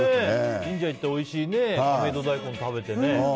神社行っておいしい亀戸大根を食べて。